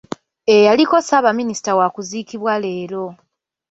Eyaliko ssaabaminisita wa kuziikibwa leero.